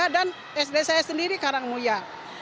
dan sd saya sendiri karangmuya